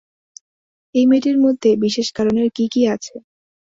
এই মেয়েটির মধ্যে বিশেষ কারণের কি কি আছে?